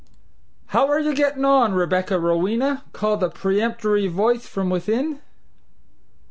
"How are you gettin' on, Rebecca Rowena?" called a peremptory voice from within.